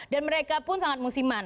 dan mereka pun sangat musiman